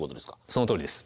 そのとおりです。